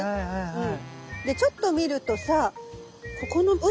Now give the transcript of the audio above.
はい。